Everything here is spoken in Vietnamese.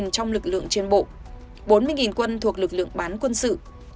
một trăm năm mươi trong lực lượng trên bộ bốn mươi quân thuộc lực lượng bán quân sự